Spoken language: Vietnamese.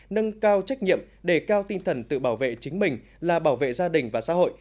nâng cao trách nhiệm đề cao tinh thần tự bảo vệ chính mình là bảo vệ gia đình và xã hội